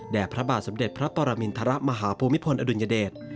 แด่พระบาทสำเด็จพระตรมิณฑระมหาภูมิพลอดุลยเดช